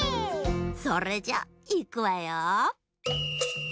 それじゃいくわよ。